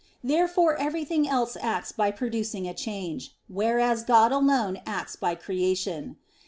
Therefore everything else acts by producing a change, whereas God alone acts by creation.